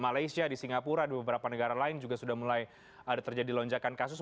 malaysia di singapura di beberapa negara lain juga sudah mulai ada terjadi lonjakan kasus